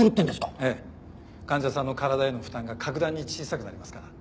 ええ患者さんの体への負担が格段に小さくなりますから。